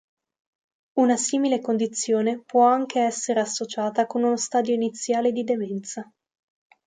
Una simile condizione può anche essere associata con uno stadio iniziale di demenza.